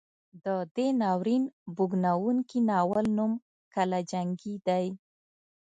د دې ناورین بوږنوونکي ناول نوم کلا جنګي دی.